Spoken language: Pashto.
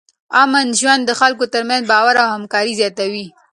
امن ژوند د خلکو ترمنځ باور او همکاري زیاتوي.